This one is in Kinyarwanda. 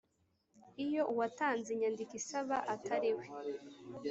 Iyo uwatanze inyandiko isaba atari we